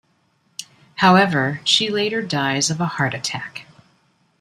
However, she later dies of a heart attack.